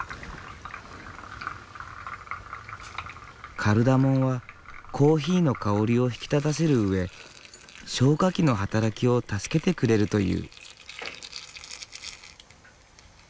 カルダモンはコーヒーの香りを引き立たせるうえ消化器の働きを助けてくれるという。